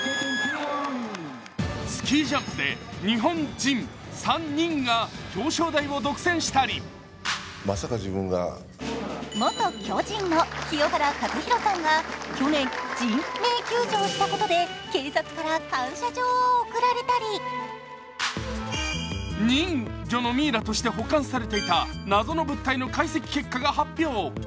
スキージャンプで日本人３人が表彰台を独占したり元巨人の清原和博さんが去年人命救助をしたことで警察から感謝状を贈られたり人魚のミイラとして保管されていた謎の物体の解析結果が発表。